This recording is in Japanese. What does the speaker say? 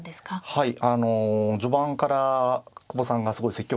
はい。